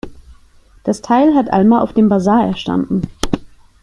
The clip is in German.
Das Teil hat Alma auf dem Basar erstanden.